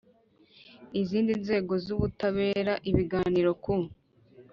Zindi nzego z’Ubutabera. Ibiganiro ku